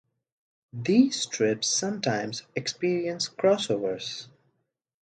These strips sometimes experience crossovers.